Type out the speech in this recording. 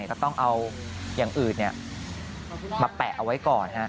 ก็ต้องเอาอย่างอื่นมาแปะเอาไว้ก่อน